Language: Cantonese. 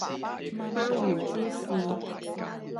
鮑魚之肆